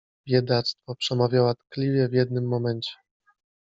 — Biedactwo! — przemawiała tkliwie w jednym momencie.